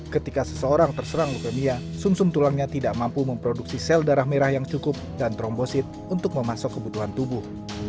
ketika seseorang terserang lukemia sum sum tulangnya tidak mampu memproduksi sel darah merah yang cukup dan trombosit untuk memasuk kebutuhan tubuh